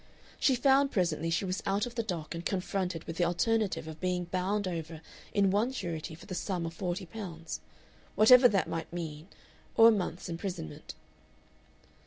She found presently she was out of the dock and confronted with the alternative of being bound over in one surety for the sum of forty pounds whatever that might mean or a month's imprisonment.